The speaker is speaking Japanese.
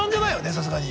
さすがに。